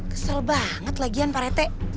kesel banget lagian pak rete